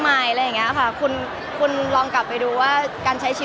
มันเป็นเรื่องน่ารักที่เวลาเจอกันเราต้องแซวอะไรอย่างเงี้ย